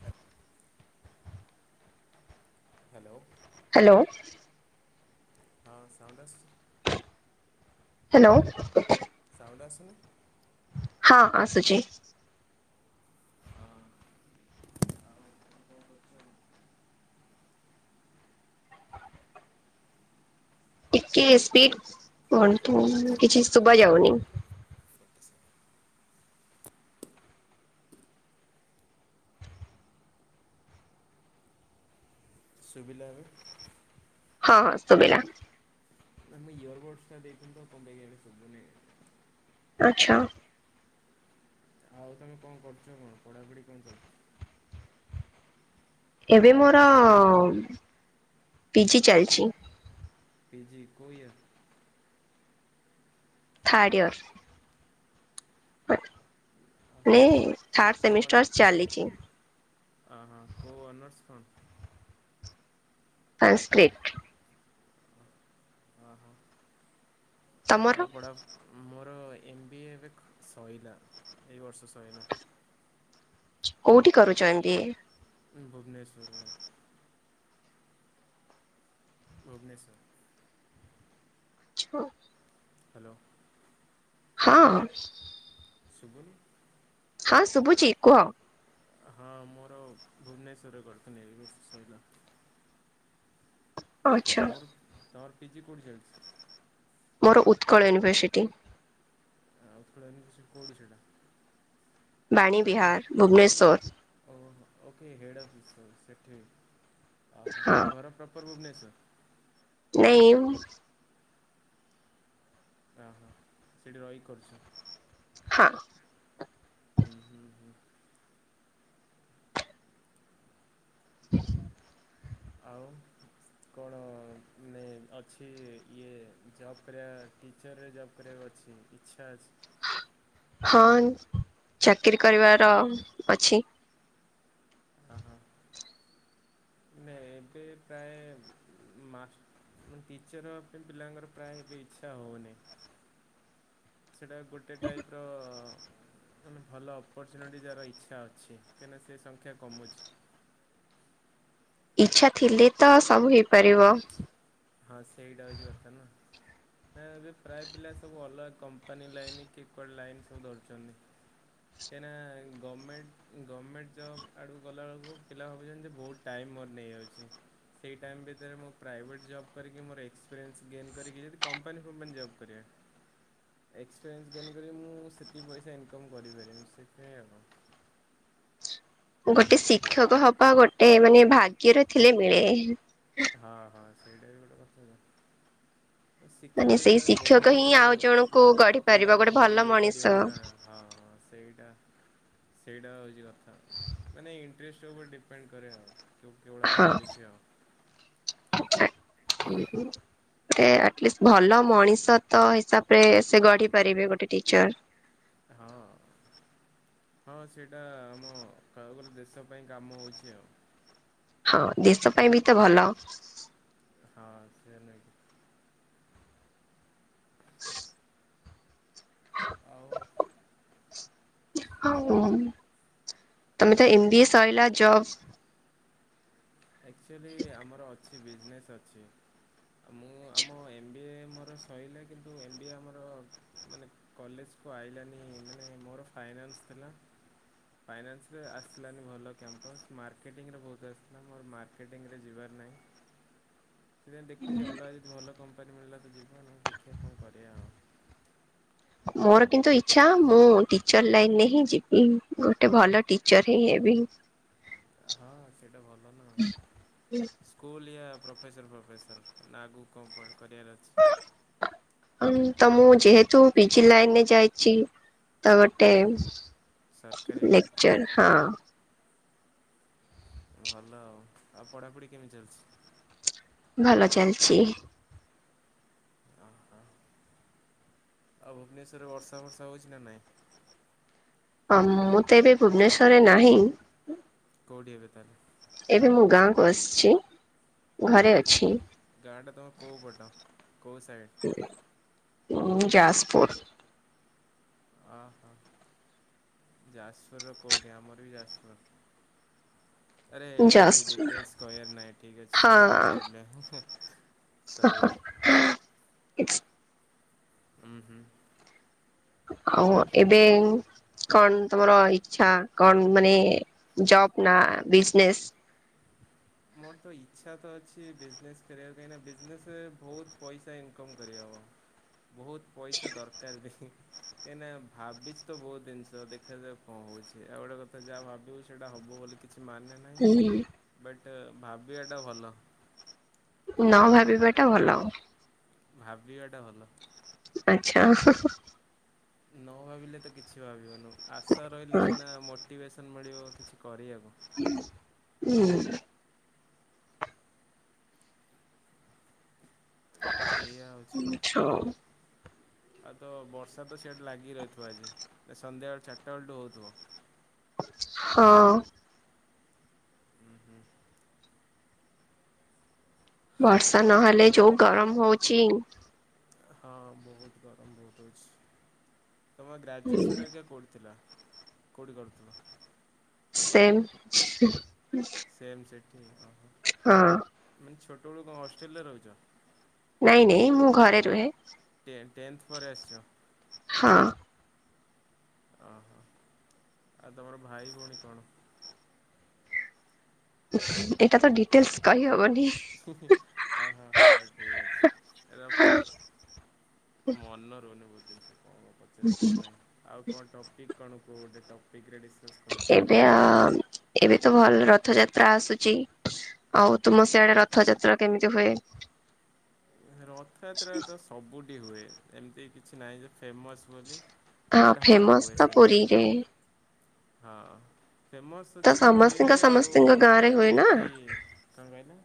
ତା। Hello. Hello ହଁ sound ଆସୁ - ହ୍ୟାଲୋ ସାଉଣ୍ଡ ଆସୁନି ହଁ ଆସୁଛି ହଁ ଟିକେ ସ୍ପିଡ କଣ କିଛି ଶୁଭା ଯାଉନି ଶୁଭିଲା ଏବେ ହଁ ଶୁଭିଲା ନା, ମୁଁ ଇୟର ବୋଡସ ଟା ଦେଇଥିଲି ତ କଣ ପାଇଁ କେଜାଣି ଶୁଭୁନାହିଁ। ଆଚ୍ଛା। ଆଉ ତୁମେ କଣ କରୁଛ କଣ? ପଢ଼ାପଢ଼ି କଣ ଚାଲିଛି। ଏବେ ମୋର ପିଜି ଚାଲିଛି। ପିଜିି, କୋଉ ଇୟର? Third year. [unintelligible] କୋଉ, କୋଉ ଓଃ ସେମିଷ୍ଟାର ଚାଲିଛି କୋଉ ଅନର୍ସ କଣ? ସାନସକ୍ରିଟ ଓହ ତମର ଆଉ ପଢା ମୋର ଏମ୍ ବି ଏ ଏବେ ସଇଲା ଏଇ ବର୍ଷ ସଇଲା। କୋଉଠି କରୁଛ ଏମ ବି ଏ। ହୁଁ ଭୁବନେଶ୍ୱରରେ। ଭୁବନେଶ୍ୱର। [unintelligible] ହ୍ୟାଲୋ। ହଁ। ଶୁଭୁନି। ହଁ ଶୁଭୁଛି କୁହ। ହଁ, ମୋର ଭୁବନେଶ୍ୱରରେ କରୁଥିଲି ଏବେ ସରିଲା। ଆଚ୍ଛା ତମର, ତମର ପିଜି କୋଉଠି ଚାଲିଛି? ମୋର ଉତ୍କଳ ୟୁନିଭର୍ସିଟି। ଆଉ ଉତ୍କଳ ୟୁନିଭର୍ସିଟି କୋଉଠି ସେଇଟା? ବାଣୀ ବିହାର ଭୁବନେଶ୍ୱର। ଓୋ, ଓକେ ହେଡ଼୍ ଅଫିସ୍ ସ ସେଠି ଅହୋ ହଁ ତୁମ ଘର ପ୍ରପର ଭୁବନେଶ୍ୱର। ନାଇଁ ଭା ଓହ ସେଇଠି ରହିକି କରୁଛ? ହଁ। ହୁଁ, ହୁଁ, ହୁଁ। [inaudible] ଆଉ କଣ ମାନେ ଅଛି ଇଏ ଜବ୍ କରିବା ଟିଚରରେ ଜବ୍ କରିବାକୁ ଅଛି ଇଚ୍ଛା ଅଛି। ହଁ ଚାକିରୀ କରିବାର ଅଛି। ହଁ ହଁ ନାଇଁ ଏବେ ପ୍ରାୟ ମା ମୁ ଟିଚର୍ ପାଇଁ ପିଲାଙ୍କର ପ୍ରାୟ ଏବେ ଇଚ୍ଛା ହଉନି। [inaudible] ସେଇଟା ଗୋଟେ ଟାଇପର୍। ମାନେ ଭଲ ଅପର୍ଚ୍ୟୁନିଟି ଯାର ଇଚ୍ଛା ଅଛି କାହିଁକିନା ସେ ସଂଖ୍ୟା କମୁଛି। ଇଚ୍ଛା ଥିଲେ ତ ସବୁ ହେଇପାରିବ। ହଁ, ସେଇଟା ହଉଛି କଥା ନା। ନା, ଏବେ ପ୍ରାୟ ପିଲା ସବୁ ଅଲଗା କମ୍ପାନୀ ଲାଇନ କି କିଏ କୋଉ ଲାଇନ୍ ସବୁ ଧରିଛନ୍ତି। କାହିଁକିନା ଗଭର୍ଣ୍ଣମେଣ୍ଟ, ଗଭର୍ଣ୍ଣମେଣ୍ଟ୍ ଜବ୍ ଆଡ଼କୁ ଗଲାବେେଳକୁ ପିଲା ଭାବୁଛନ୍ତି ଯେ ବହୁତ ଟାଇମ୍ ମୋର ନେଇଯାଉଛି, ସେଇ ଟାଇମ୍ ସେଥିରେ ମୁଁ ପ୍ରାଇଭେଟ୍ ଜବ୍ କରିକି ମୋର ଏକ୍ସପିରିଏନ୍ସ ଗେନ୍ କରିକି ଯଦି କମ୍ପାନୀ ଫମ୍ପାନୀ ଜବ୍ କରିବା। ଏକ୍ସପିରିଏନ୍ସ ଗେନ୍ କରି ମୁଁ ସେତିକ ପଇସା ଇନକମ୍ କରିପାରିବି ସେଥିପାଇଁ ଗୋଟେ ଶିକ୍ଷକ ହବା ଗୋଟେ ମାନେ ଭାଗ୍ୟର ଥିଲେ ମିଳେ। ହଁ, ହଁ ସେଇଟା ବି ଗୋଟେ କଥା। ମାନେ ଶିକ୍ଷାକ ସେଇ ତମେ ଶିକ୍ଷକ ହିଁ ବହୁତ ଆଉ ଜଣଙ୍କୁ ଲ ଗଢି ପାରିବ ଗୋଟେ ପିଲାଙ୍କୁ ଭଲ ଇଏ ମଣିଷ। କରିବ ନା। ହଁ ହଁ ସେଇଟା ସେଇଟା ହେଉଛି କଥା ମାନେ ଇଣ୍ଟରେଷ୍ଟ ଉପରେ ଡିପେଣ୍ଡ କରେ ଆଉ କେଉଁଡ଼ା ହଁ ଭାବୁଛି ଆଉ। [unintelligible] ଗୋଟେ ଆଟଲିଷ୍ଟି ଭଲ ମଣିଷ ତ ହିସାବରେ ସେ ଗଢି ପାରିବେ ଗୋଟେ ଟିଚର ହଁ ହଁ ସେଇଟା ଆମ କହିବାକୁ ଗଲେ ଦେଶ ପାଇଁ କାମ ହେଉଛି ଆଉ ହଁ ଦେଶ ପାଇଁ ବି ତ ଭଲ। ହଁ ସେ ନେଇକି ଆଉ [unintelligible] ତମେ ତ ଏମବିଏ ସରିଲା ଜବ ଆକ୍ଚୁଆଲି ଆମର ଅଛି ବିଜନେସ୍ ଅଛି। ମୁଁ ଆମ ଏମ୍ ବି ଏ ମୋର ସଇଲା କିନ୍ତୁ ଏମ୍ ବି ଏ ଆମର ମାନେ କଲେଜକୁୁ ଆଇଲାନି ମାନେ ମୋର ଫାଇନାନ୍ସ ଥିଲା। ଫାଇନାନ୍ସ ରେ ଆସିଲାନି ଭଲ କ୍ୟାମ୍ପସ୍ ମାର୍କେଟିଂରେ ବହୁତ ଆ ନା ମୋର ମାର୍କେଟିଂରେ ଯିବାର ନାହିଁ ସେଥିପାଇଁ ଦେଖୁଛି ଅଲଗା ଭଲ କମ୍ପ ଉପପାର ମିଳିଲା ତ ଯିବା ନ ହେଲେ ଦେଖିବା କଣ କରିବା ଆଉ ମୋର କିନ୍ତୁ ଇଚ୍ଛା ମୁଁ ଟିଚର ଲାଇନରେ ହିଁ ଯିବି ଗୋଟେ ଭଲ ଟିଚର ହିଁ ହେବି। ହଁ ସେଇଟା ଭଲ ନା ସ୍କୁଲ୍ ୟା ପ୍ରଫେସର ପ୍ରଫେସର ନା ଆଗକୁ କଣ କରିବାର ଅଛି। [unintelligible] ହ ତ ମୁଁ ଯେହେତୁ ପିଜି ଲାଇନ ରେ ଯାଇଛି ତ ଗୋଟେ ସରକାରୀ ଲେକ୍ଚର ହଁ ଭଲ ଆଉ ଆଉ ପଢାପଢି କେମିତି ଚାଲିଛି। ଭଲ ଚାଲିଛି ତା ତା - ଆଉ ଭୁବନେଶ୍ୱରରେ ବର୍ଷା ବର୍ଷା ହେଉଛି ନା ନାହିଁ ହଁ ମୁଁ ତ ଏବେ ଭୁବନେଶ୍ୱରରେ ନାହିଁ। କଉଠି ଏବେ ତାହେଲେ ଏବେ ମୁଁ ଗାଁକୁ ଆସିଛି ଘରେ ତମ ଅଛି। ଗାଁଟା ତମ କଉ ପଟ କଉ ସାଇଡ଼୍? ଯାଜପୁର ଓହୋ ଯାଜପୁର ର କୋଉଠି ଆମର ବି ଯାଜପୁର। ଆରେ ଏଇଠି ଯାଜପୁର ଡିଟେଲସ କହିବାର ନାହିଁ ଠିକ୍ ଅଛି ସେଟୁ ହଁ ବନ୍ଦ କରିଲେ। ସରି। ହୁଁ ହୁଁ। ଆଉ ଏବେ କଣ ତମର ଇଛା କଣ ମାନେ ଜବ ନା ବିଜନେସ ମୋର ତ ଇଚ୍ଛା ତ ଅଛି ବିଜନେସ୍ କରିବାକୁ କାହିଁକିନା ବିଜନେସ ବହୁତ ପଇସା ଇନକମ୍ କରିହବ। [unintelligible] ବହୁତ ପଇସା ଦରକାର ବି କାହିଁକିନା ଭାବିଚି ତ ବହୁତ ଜିନିଷ ଦେଖାଯାାଉ କଣ ହଉଛି ଆଉ ଗୋଟେ କଥା ଯାହା ଭାବିବୁ ସେଇଟା ହବ ବୋଲି କିଛି ମାନେ ନାହିଁ ହୁଁ ବଟ୍ ଭାବିବାଟା ଭଲ- ନ ଭାବିବାଟା ଭଲ। ଭାବିବାଟା ଭଲ। ଆଛା ନ ଭାବିଲେ ତ କିଛି ଭାବିବୁନୁ ଆଶା ରହିଲେ ହଁ। ସିନା ମୋ ମୋଟିଭେସନ୍ ମିଳିବ କିଛି କରିବାକୁ। ହୁଁ ଏଇଆ ହେଉଛି କଥା ଆଉ ତ ବର୍ଷା ତ ସେଇଠି ଲାଗି ରହିଥିବ ଆଜି ନା ସନ୍ଧ୍ୟାବେଳଳେ ଚାରିଟା ବେଳୁଠୁ ହେଉଥିବ। ହଁ ହୁଁ ହୁଁ ବର୍ଷା ନହେଲେ ଯୋଉ ଗରମ ହଉଛି। ହଁ ବହୁତ ଗରମ ବହୁତ ଅଛି। ତୁମେ ଗ୍ରାଜୁଏସନ୍ ହେରିକା କୋଉଠି ଥିଲା କୋଉଁଠି କରୁଥିଲ? ସେମ୍ ସେମ୍ ସେଠି ହଁ। ମାନେ ଛୋଟବେଳ କଣ ହଷ୍ଟେଲରେ ରହୁଛ? ନାଇଁ ନାଇଁ ମୁଁ ଘରେ ରୁହେ। ଟେ ଟେନ୍ଥ୍ ପରେ ଆସିଛ। ହଁ। ଓହୋ ଆଉ ତମର ଭାଇ ଭଉଣୀ କଣ? ଏଇଟା ତ ଡିଟେଲ୍ସ୍ କହି ହବନି। ଅହୋ ହୋ ଠିକ ଅଛି ରଖିଲ। ମନ ରହୁନି ବୋଧେ କଣ କଣ କହୁଚି। କଁଣ ପଚାରିବୁ କଣ ନାହିଁ ଆଉ କଣ ଟପିକ କଣ କୁହ ଗୋଟେ ଟପିକ ରେ ଡିସ୍କସ୍ ହେଟା ଏବେ ତ ଭଲ ରଥଯାତ୍ରା ଆସୁଛି ଆଉ ତୁମ ସିଆଡେ ରଥଯାତ୍ରା କେମିତି ହୁଏ? ରଥଯାତ୍ରାତ ସବୁଠି ହୁଏ ଏମିତି କିଛି ନାହିଁ ଯେ ଫେମସ୍ ବୋଲି ବଟ୍ ହଁ ଫେମସ ହୁଏ ତ ସେମିତି ଆଉ ପୁରୀରେ ହଁ ଫେମସ୍ ତ ଅଛି ସମସ୍ତଙ୍କ ପୁରୀରେ ଆଉ ସମସ୍ତଙ୍କ ଗାଁ ରେ ହୁଏ ନା ଏଠି କଣ କହିଲେ?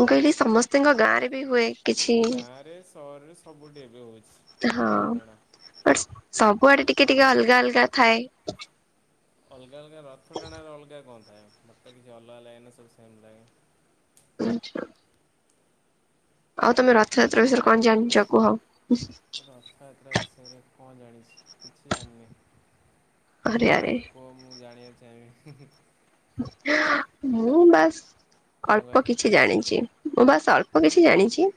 ମୁଁ କହିଲି ସମସ୍ତିଙ୍କ ଗାଁ ରେ ବି ହୁଏ। କିଛି ଗାଁରେ ସହରରେ ସବୁଠି ଏବେ ହେଉଛି ହଁ ରଥ ଟଣା। ବଟ ସବୁଆଡେ ଟିକେ ଟିକେ ଅଲଗା ଅଲଗା ଥାଏ। ଅଲଗା ଅଲଗା ରଥ ଟାଣାରେ ଅଲଗା କଣ ଥାଏ ମତେ କିଛି ଅଲଗା ଲାଗେନା ସବୁ ସେମ ଲାଗେ। ଆଛା। ଆଉ ତମେ ରଥଯାତ୍ରା ବିଷୟରେ କଣ ଜାଣିଛ କୁହ? ରଥଯାତ୍ରା ବିଷୟରେ କଣ ଜାଣିଛି କିଛି ଜାଣିନି। ଆରେ ଆରେ ତମେ କୁହ ମୁଁ ଜାଣିବାକୁ ଚାହିଁବି। ମୁଁ ବାସ୍ କଣ ଅଳ୍ପ କହିଲ କିଛି ଜାଣିଛି। ମୁଁ ବାସ ଅଳ୍ପ କିଛି ଜାଣିଛି।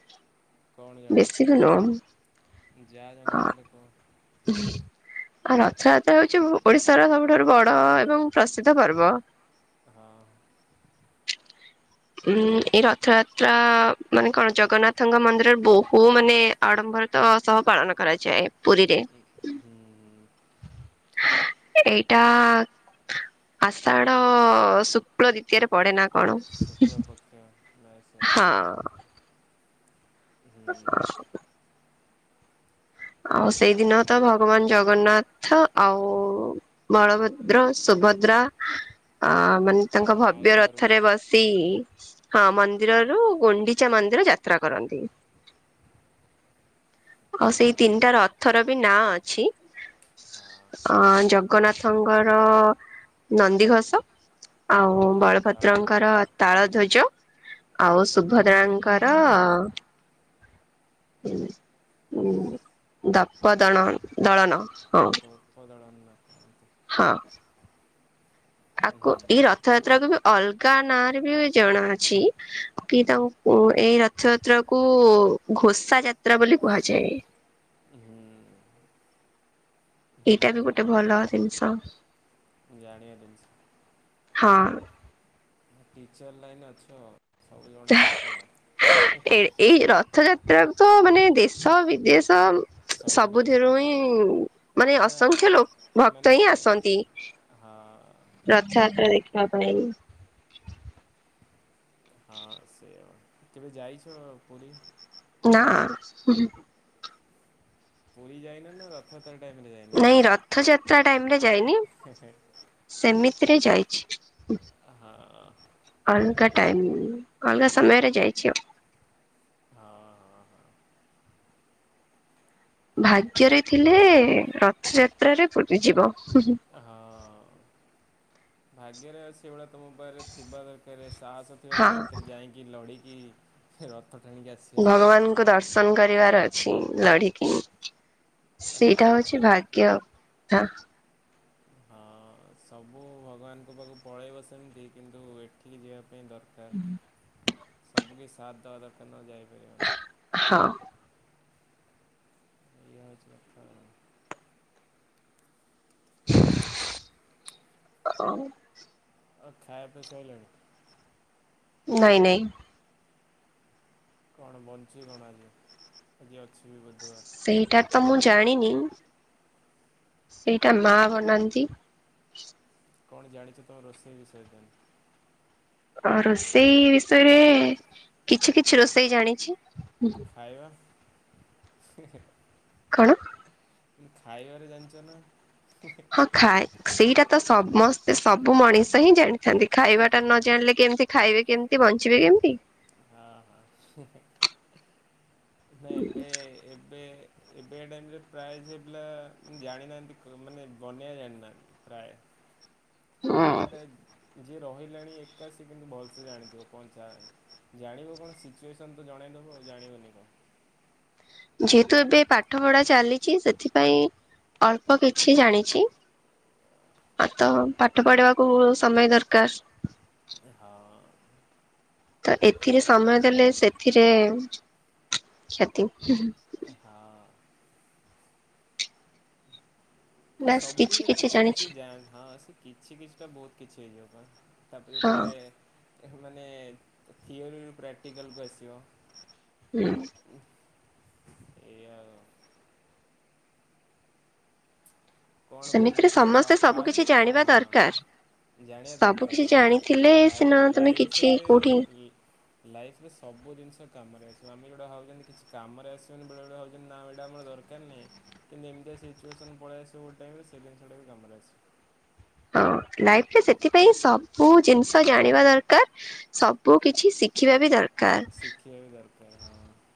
କଣ ଜାଣିଛ? ବେଶୀ ବି ନାଇଁ ଅ ଓହ ଆଉ ରଥଯାତ୍ରା ହଉଛି ଓଡ଼ିଶାର ସବୁଠାରୁ ବଡ଼ ଏବଂ ପ୍ରସିଦ୍ଧ ପର୍ବ। ହଁ ଉଁ ଏଇ ରଥଯାତ୍ରା ମାନେ କଣ ଜଗନ୍ନାଥଙ୍କ ମନ୍ଦିରରେ ବହୁ ମାନେ ଆଡ଼ମ୍ବର ତ ସହ ପାଳନ କରାଯାଏ ପୁରୀରେ ହୁଁ [inaudible] ଏଇଟା ଆଷାଢ ଶୁକ୍ଳ ଦ୍ଵିତୀୟରେ ପଡ଼େ ନା କଣ? ଶୁକ୍ଳପକ୍ଷ ନୟାସ ହଁ ଏମିତି କହନ୍ତି। [inaudible] ଆଉ ସେଇଦିନ ତ ଭଗବାନ ଜଗନ୍ନାଥ ଆଉ ବଳଭଦ୍ର ସୁଭଦ୍ରା ଆ ମାନେ ତାଙ୍କ ତା ଭବ୍ୟ ମାଉସୀ ଘରକୁ ରଥରେ ଯାଆନ୍ତି ବସି ସେଇ ହଁ ମନ୍ଦିରରୁ ଗୁଣ୍ଡିଚା ମନ୍ଦିର ଯାତ୍ରା କରନ୍ତି। ଆଉ ଆ ସେଇ ହଁ ତିନିଟା ରଥର ବି ନାଁ ଅଛି। ହଁ ଅଁ ଜଗନ୍ନାଥଙ୍କର ନନ୍ଦିଘୋଷ ଆଉ ବଳଭଦ୍ରଙ୍କର ତାଳଧ୍ୱଜ ତାଳଧ୍ୱଜ ଆଉ ସୁଭଦ୍ରାଙ୍କର ହଁ ଦପ ଦଳ-ଦଳନ ହଁ। ଦପ ଦଳ ନ ହଁ। ତାକୁ ଏଇ ହୁଁ ରଥଯାତ୍ରାକୁ ବି ଅଲଗା ନାଁ ରେ ବି ଜଣାଅଛି କି ତାଙ୍କୁ ଓ ଏଇ ରଥଯାତ୍ରା କୁ ଘୋସା ଯାତ୍ରା ବୋଲି କୁହାଯାଏ। ହୁଁ। ହୁଁ ଏଇଟା ବି ହୁଁ ଗୋଟେ ଭଲ ଜିନିଷ। ଜାଣିବା ଦିିନିଷ ହଁ। ଟିଚର୍ ଲାଇନ୍ ଅଛ ସବୁ ଜଣା ଅଛ ଆ। ଏ ଏଇ ରଥ ଯାତ୍ରାକୁ ତ ମାନେ ଦେଶ ବିଦେଶ। ସବୁଠି ସବୁଥିରୁ ଜଣା ହିଁ ମାନେ ନା ଅସଂଖ୍ୟ ଲୋ ଭକ୍ତ ହିଁ ଆସନ୍ତି। ହା ରଥଯାତ୍ରା ଦେଖିବା ପାଇଁ। ହଁ ସେ କେବେ ଯାଇଛ ପୁରୀ? ନା ଉହୁଁ ପୁରୀ ଯାଇନା ନା ରଥ ଟାଇମ୍ରେ ନାଇଁ ରଥଯାତ୍ରା ଟାଇମରେ ଯାଇନି ସେମିତିରେ ଯାଇଛି। ହଁ। ଅଲଗା ଟାଇମ୍ ଅଲଗା ସମୟରେ ଯାଇଛି ଆଉ। ହଁ। ଭାଗ୍ୟରେ ଥିଲେ ରଥଯାତ୍ରାରେ ପୁରୀ ଯିବ ହୁଁ ହୁଁ ହଁ ଭାଗ୍ୟରେ ଆ ସେଭଳିଆ ତମ ପାଖରେ ଥିବା ଦରକାର ସାହସ ହଁ ତା ଭିତରେ ଯାଇକି ଲଢିକି ରଥ ଟାଣିକି ଆ ଭଗବାନଙ୍କୁ ଦର୍ଶନ କରିବାର ଅଛି ଲଢ଼ିକି। ସେଇଟା ହଁ। ହଉଛି ଭାଗ୍ୟଥା ହଁ ସବୁ ଭଗବାନଙ୍କ ପାଖକୁ ପଳେଇବ ସେମିତି କିନ୍ତୁ ଏ ଏଠିକି ଯିବା ପାଇଁ ଦରକାର ସବୁକିଛି ସଥ୍ ଦେବା ଦରକାରା ନହେଲେ ଯାଇପାରିବନି। ହଁ। ଏଇଆ ହଉଚି କଥା ଆଉ [inaudible] ଅଁଉ ଆଉ ଖାଇବା ପିଇବା ସଇଲାଣି। ନାଇଁ ନାଇଁ। କଣ ବନ୍ଚି କଣ ଆଜି ଆଜି ଅଛି ବି ବୁଧୁବାର ସେହିଟା ତ ମୁଁ ଜାଣିନି। ଏଇଟା ମା ବନାନ୍ତି। କଣ ଜାଣିଛ ତମ ରୋଷେଇ ବିଷୟରେ ତମେ? ଅ ରୋଷେଇ ବିଷୟରେ କିଛି କିଛି ରୋଷେଇ ଜାଣିଛି। ଖାଇବା? କଣ? ଖାଇବାରେ ଜାଣିଛ ନା ଖାଏ ସେଇଟା ତ ସମସ୍ତେ ସବୁ ମଣିଷ ହିଁ ଜାଣି ଛନ୍ତି ଖାଇବା ଟା ନ ଜାଣିଲେ କେମିତି ଖାଇବେ କେମିତି ବଞ୍ଚିବେ କେମିତି? ହଁ ହଁ ନାଇଁ ଏବେ ଏବେ ଏବେ ଟାଇମରେ ପ୍ରାଇଜ ହେ ପିଲା ଜାଣିନାହାନ୍ତି ମାନେ ବନେଇବା ଜାଣିନାହାନ୍ତି। ପ୍ରାୟ। ହଁ ବଟ୍ ଯିଏ ରହିଲାଣି ଏକାଶୀ କିନ୍ତୁ ଭଲସେ ଜାଣିଥିବ କଣ ଜାଣିବ କଣ ସିଚୁଏସନ୍ ତ ଜଣାଇଦେବ ଆଉ ଜାଣିବନି କଣ? ଯେହେତୁ ଏବେ ପାଠ ପଢା ଚାଲିଛି ସେଥିପାଇଁ ଅଳ୍ପ କିଛି ଜାଣିଛି। ଆଉ ତ ପାଠ ପଢିବାକୁ ସମୟ ଦରକାର ହଁ। ତ ଏଥିରେ ନା ସମୟ ଦେଲେ ସେଥିରେ କ୍ଷତି ହଁ। ସବୁ କିଛି କିଛି କିଛି ଯାଏନ ହଁ ସେ କିଛି କିଛିଟା ବହୁତ କିଛି ହେଇଯିବ ପା। ତାପରେ ହଁ ଯେତେବେଳେ ମାନେ ଥିଅରିରୁ ପ୍ରାକ୍ଟିକାଲକୁ ଆସିବ। ହୁଁ। ଏଇଆ ଆଉ। କଣ ସେମିତିରେ ବନେଇଥିଲ ସମସ୍ତେ ସବୁ କିଛି ଫାଷ୍ଟ ଜାଣିବା ହଁ? ଦରକାର। ଜାଣିବା ସବୁ ଦରକାର କିଛି ହଁ ଜାଣିଥିଲେ ଲାଇ ସିନା ତମେ କିଛି ଲାଇଫରେ କୋଉଠି ଲାଇଫ ରେ ସବୁ ଜିନିଷ କାମରେ ଆସିବ ଆମେ ଯଉଟା ହଉଛନ୍ତି କିଛି କାମରେ ଆସିବୁନ ବେଳେ ବେଳେ ହଉଛନ୍ତି ନା ଏଇଟା ଆମର ଦରକାର ଦରକାର ନାହିଁ କିନ୍ତୁ ଏମିତି ସିଚୁଏସନ୍ ପଳେଇସିବ ଗଟ ଟାଇମ ସେଇିନିଷଟା ବି କାମରେ ଆସିବ। ହଁ ଲାଇଫ ରେ ସେଥିପାଇଁ ସବୁ ଜିନିଷ ଜାଣିବା ଦରକାର ସବୁ କିଛି ଦେଖିବା ବି ଦରକାର। ସେ ବି ଦରକାର ହଁ।